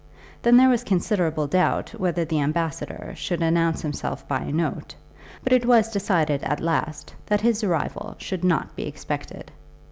Then there was considerable doubt whether the ambassador should announce himself by a note, but it was decided at last that his arrival should not be expected.